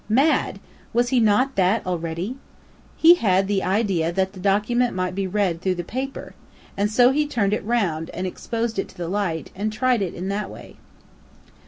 Mad! was he not that already? He had had the idea that the document might be read through the paper, and so he turned it round and exposed it to the light, and tried it in that way.